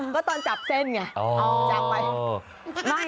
ก็ตอนจับเส้นไงจับไป